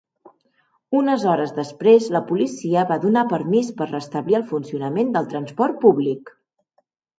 Unes hores després la Policia va donar permís per restablir el funcionament del transport públic.